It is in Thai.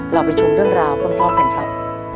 เราไปชมเรื่องราวกับพ่อแผ่นครับ